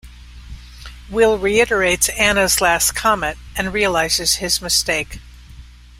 Will reiterates Anna's last comment and realizes his mistake.